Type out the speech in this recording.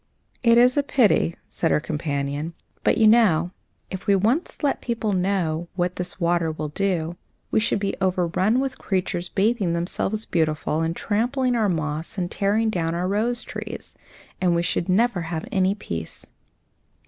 "It is a pity," said her companion; "but, you know, if we once let people know what this water will do, we should be overrun with creatures bathing themselves beautiful, and trampling our moss and tearing down our rose trees, and we should never have any peace."